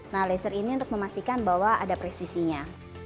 nah laser ini untuk memastikan bahwa ada presisinya